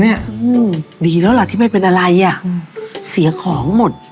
อืมดีแล้วล่ะที่ไม่เป็นอะไรอ่ะอืมเสียของหมด